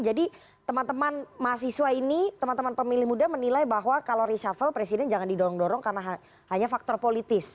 jadi teman teman mahasiswa ini teman teman pemilih muda menilai bahwa kalau resapel presiden jangan didorong dorong karena hanya faktor politis